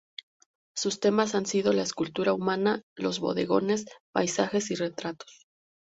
Sus temas han sido la escultura humana, los bodegones, paisajes y retratos.